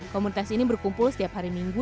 komunitas ini berkumpul setiap hari minggu